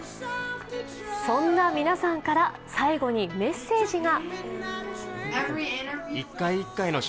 そんな皆さんから、最後にメッセージが。